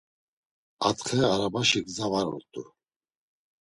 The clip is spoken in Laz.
Atxe arabaşi gza var ort̆u.